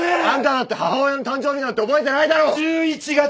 あんただって母親の誕生日なんて覚えてないだろ！